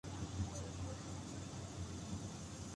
La torre está en el flanco contrario, junto a la cabecera.